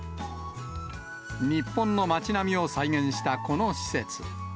日本の町並みを再現したこの施設。